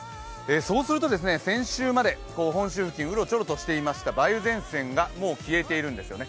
そうすると先週まで本州付近をうろうろしていた梅雨前線がもう消えているんですよね。